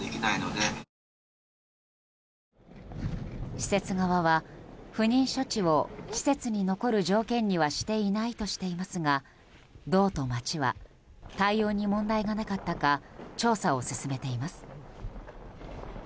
施設側は、不妊処置を施設に残る条件にはしていないとしていますが道と町は対応に問題がなかったか調査を進めています。